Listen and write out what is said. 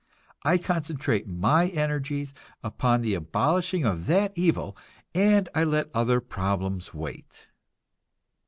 I concentrate my energies upon the abolishing of that evil, and I let other problems wait.